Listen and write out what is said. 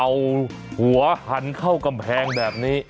เอาหัวหันเข้ากำแพงแบบนี้